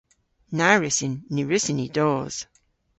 Na wrussyn. Ny wrussyn ni dos.